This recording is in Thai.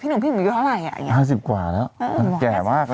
ชอบคุณครับ